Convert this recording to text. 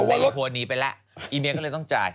อีพัวหนีไปแล้วอีเมียก็เลยต้องจ่าย